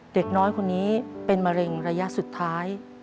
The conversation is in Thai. เด็กน้อยคนนี้เป็นมะเร็งระยะสุดท้าย